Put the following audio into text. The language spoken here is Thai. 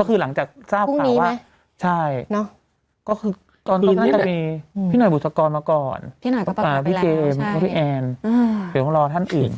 ก็คือหลังจากทราบกล่าวว่าพี่หน่อยบุษกรมาก่อนพี่เกมพี่แอนเดี๋ยวต้องรอท่านอื่น